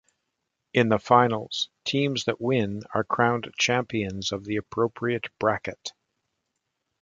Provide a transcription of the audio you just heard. In the Finals, teams that win are crowned champions of the appropriate bracket.